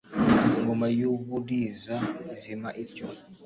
Ingoma y'u Buliza izima ityo,